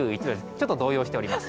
ちょっと動揺しております。